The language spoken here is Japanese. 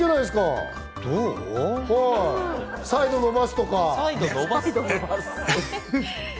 サイドを伸ばすとか。